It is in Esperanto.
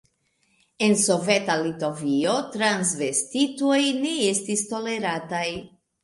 En soveta Litovio transvestitoj ne estis tolerataj.